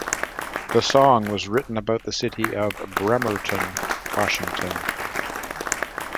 The song was written about the city of Bremerton, Washington.